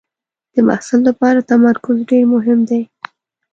د محصل لپاره تمرکز ډېر مهم دی.